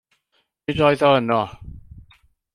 Nid oedd o yno.